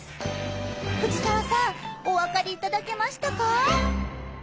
藤澤さんおわかりいただけましたか？